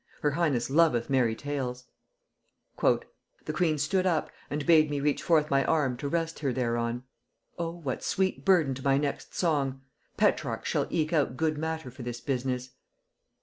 Her highness loveth merry tales." "The queen stood up and bade me reach forth my arm to rest her thereon. O! what sweet burden to my next song. Petrarch shall eke out good matter for this business."